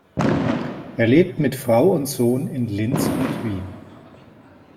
Er lebt mit Frau und Sohn in Linz und Wien.